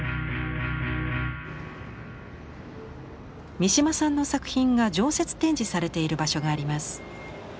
三島さんの作品が常設展示されている場所があります。